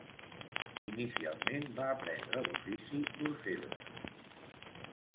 Inicialment va aprendre l'ofici d'orfebre.